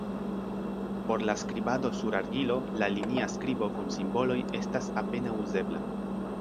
Por la skribado sur argilo, la linia skribo kun simboloj estas apenaŭ uzebla.